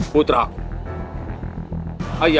putra ayah anda membutuhkan bantuan